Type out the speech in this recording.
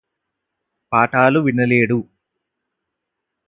పాఠాలు వినలేడు